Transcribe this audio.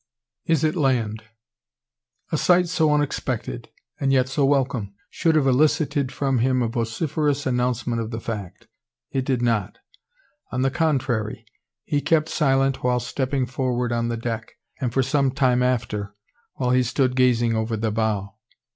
IS IT LAND? A sight so unexpected, and yet so welcome, should have elicited from him a vociferous announcement of the fact. It did not. On the contrary, he kept silent while stepping forward on the deck, and for some time after, while he stood gazing over the bow.